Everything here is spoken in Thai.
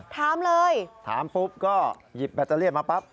ถามเลยถามปุ๊บก็หยิบแบตเตอรี่มาปั๊บ